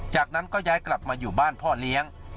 จากนั้นก็ย้ายกลับมาอยู่บ้านพ่อเลี้ยง